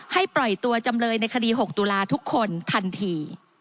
ปล่อยตัวจำเลยในคดี๖ตุลาทุกคนทันที